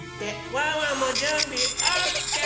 ワンワンもじゅんびオッケー！